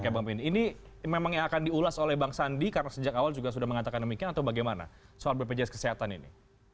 oke bang benn ini memang yang akan diulas oleh bang sandi karena sejak awal juga sudah mengatakan demikian atau bagaimana soal bpjs kesehatan ini